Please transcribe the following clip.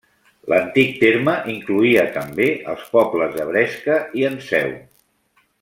L'antic terme incloïa també els pobles de Bresca i Enseu.